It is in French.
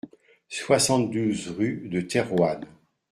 soixante-douze rue de Thérouanne